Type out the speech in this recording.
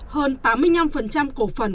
hơn tám mươi năm cổ phần